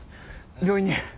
病院に。